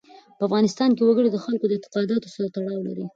په افغانستان کې وګړي د خلکو د اعتقاداتو سره تړاو لري.